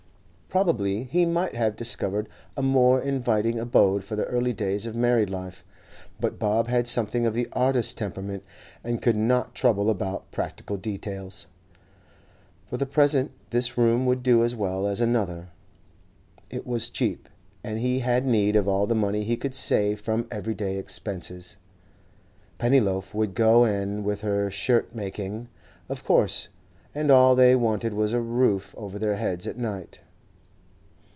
Probably he might have discovered a more inviting abode for the early days of married life, but Bob had something of the artist's temperament and could not trouble about practical details; for the present this room would do as well as another. It was cheap, and he had need of all the money he could save from everyday expenses. Pennyloaf would go en with her shirt making, of course, and all they wanted was a roof over their heads at night.